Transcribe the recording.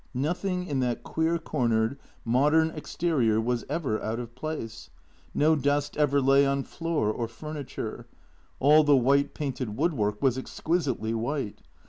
Nothing in that queer cornered, mod ern exterior was ever out of place. No dust ever lay on floor or furniture. All the white painted woodwork was exquisitely white.